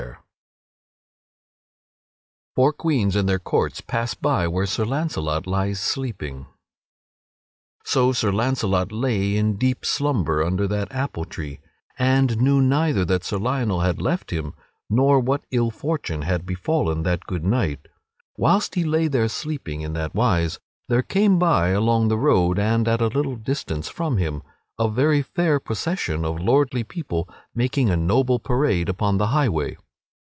_ [Sidenote: Four Queens and their courts pass by where Sir Launcelot lies sleeping] So Sir Launcelot lay in deep slumber under that apple tree, and knew neither that Sir Lionel had left him nor what ill fortune had befallen that good knight. Whilst he lay there sleeping in that wise there came by, along the road, and at a little distance from him, a very fair procession of lordly people, making a noble parade upon the highway.